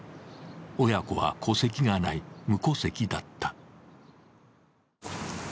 親子は戸籍がない無戸籍だった。